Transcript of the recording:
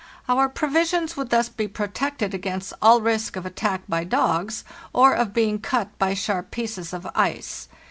Our provisions would thus be pivtected against all risk of attack by dogs, or of being cut by sharp pieces of ice.